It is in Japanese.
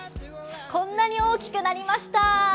こんなに大きくなりました！